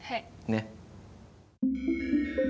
ねっ。